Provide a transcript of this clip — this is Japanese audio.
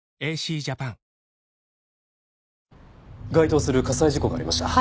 該当する火災事故がありました。